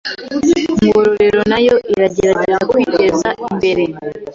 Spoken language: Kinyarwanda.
Ngororero nayo iragerageza kwiteza imbere